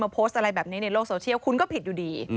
โพสต์อะไรแบบนี้ในโลกโซเชียลคุณก็ผิดอยู่ดี